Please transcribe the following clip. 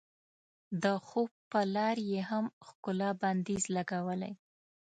د خوب په لار یې هم ښکلا بندیز لګولی.